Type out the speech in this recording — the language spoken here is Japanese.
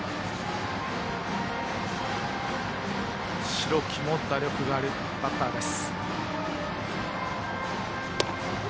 代木も打力があるバッターです。